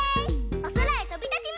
おそらへとびたちます！